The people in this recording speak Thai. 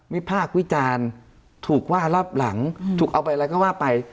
พากษ์วิจารณ์ถูกว่ารอบหลังถูกเอาไปอะไรก็ว่าไป